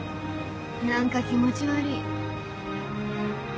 何か気持ち悪い。